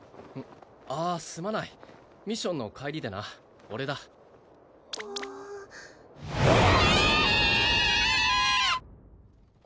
ああすまないミッションの帰りでな俺だええ！？